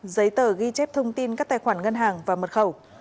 giấy tờ ghi chép thông tin các tài khoản ngân hàng và mật khẩu